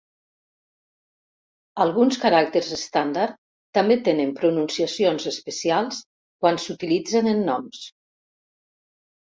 Alguns caràcters estàndard també tenen pronunciacions especials quan s'utilitzen en noms.